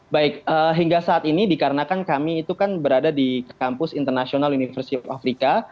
baik hingga saat ini dikarenakan kami itu kan berada di kampus international university of africa